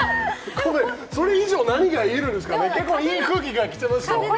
それ以上、何か言えるんですか、いい空気来てますよ。